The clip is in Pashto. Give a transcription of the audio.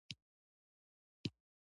نورستان د افغانستان د زرغونتیا نښه ده.